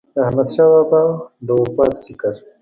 د احمد شاه بابا د وفات ذکر